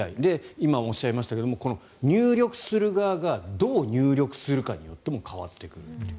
今おっしゃいましたけど入力する側がどう入力するかによっても変わってくるという。